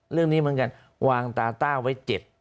เรื่องนี้เหมือนกันวางตาต้าไว้๗